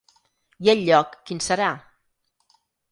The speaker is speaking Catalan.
I el lloc, quin serà?